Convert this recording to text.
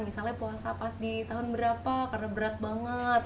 misalnya puasa pas di tahun berapa karena berat banget